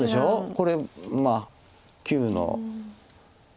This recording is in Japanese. これまあ９の。